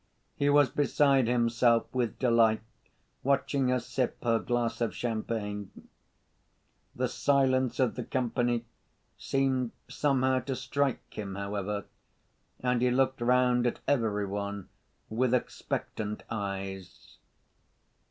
He was beside himself with delight, watching her sip her glass of champagne. The silence of the company seemed somehow to strike him, however, and he looked round at every one with expectant eyes.